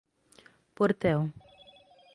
Portel